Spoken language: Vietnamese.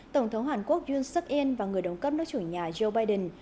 tổng thống hàn quốc yun suk in và người đồng cấp nước chủ nhà joe biden